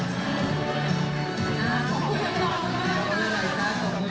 ใช่ครับ